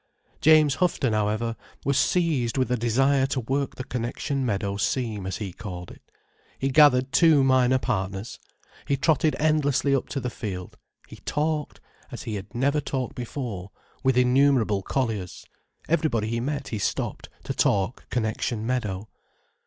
James Houghton, however, was seized with a desire to work the Connection Meadow seam, as he called it. He gathered two miner partners—he trotted endlessly up to the field, he talked, as he had never talked before, with inumerable colliers. Everybody he met he stopped, to talk Connection Meadow.